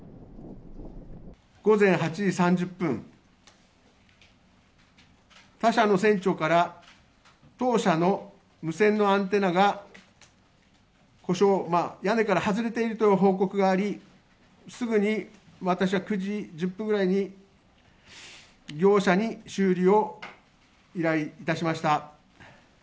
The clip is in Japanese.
午前８時３０分、他社の船長から、当社の無線のアンテナが故障、屋根から外れているとの報告があり、すぐに私は９時１０分ぐらいに、業者に修理を依頼いたしました。